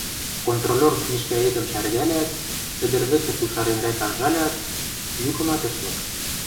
Контролёр книжкӓэтым шӓргӓлят, ӹдӹр вӹкӹ тусаренрӓк анжалят, юкымат ӹш лык.